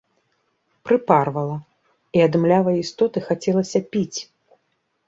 Прыпарвала, і ад млявай істоты хацелася піць.